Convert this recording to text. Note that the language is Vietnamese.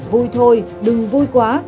vui thôi đừng vui quá